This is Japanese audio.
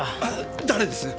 誰です！？